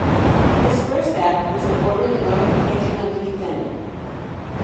His first act was to order the notification of the defendant.